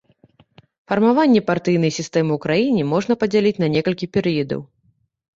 Фармаванне партыйнай сістэмы ў краіне можна падзяліць на некалькі перыядаў.